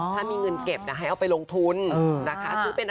ถ้ามีเงินเก็บให้เอาไปลงทุนนะคะ